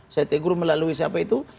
sete guru melalui siapa itu